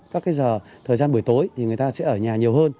các cái thời gian buổi tối thì người ta sẽ ở nhà nhiều hơn